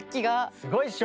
すごいっしょ！